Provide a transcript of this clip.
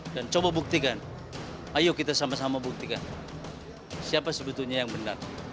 dan coba buktikan ayo kita sama sama buktikan siapa sebetulnya yang benar